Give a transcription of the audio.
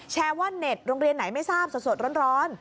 แชร์ว่าเน็ตโรงเรียนไหนไม่ทราบสดร้อน